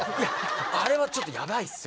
あれはちょっとヤバいっすよ